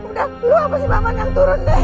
udah lu apa sih paman yang turun deh